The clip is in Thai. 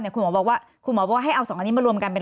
๖๙คุณหมอบอกว่าให้เอา๒อันนี้มารวมกันเป็น๑๐๕